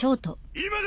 今だ！